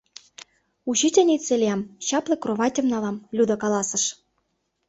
— Учительнице лиям — чапле кроватьым налам, — Люда каласыш.